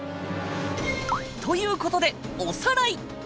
という事でおさらい。